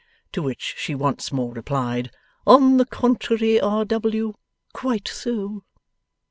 To which she once more replied, 'On the contrary, R. W. Quite so.